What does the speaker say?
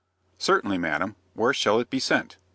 "Certainly, madam. Where shall it be sent?"